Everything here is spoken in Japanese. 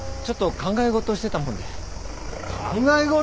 考え事？